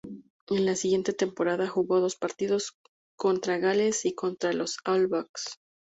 En la siguiente temporada, jugó dos partidos, contra Gales y contra los All Blacks.